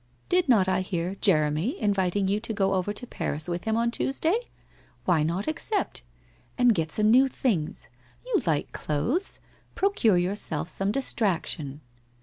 Did not I hear Jeremy inviting you to go over to Paris with him on Tuesday? Why not accept? And get some new things. You like clothes — procure yourself some distraction.